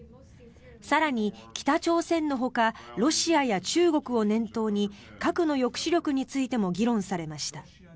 更に、北朝鮮のほかロシアや中国を念頭に核の抑止力についても議論されました。